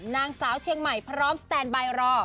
นางสาวเชียงใหม่พร้อมสแตนบายรอ